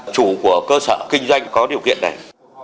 chủ của cơ sở kinh doanh có điều kiện này